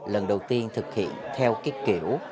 lần đầu tiên thực hiện theo cái kiểu